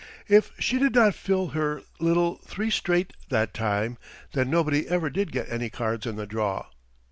If she did not fill her little three straight that time then nobody ever did get any cards in the draw.